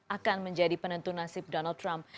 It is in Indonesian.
akan menjadi penentu nasib donald trump